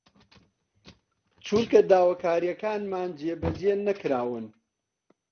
چونکە داواکارییەکانمان جێبەجێ نەکراون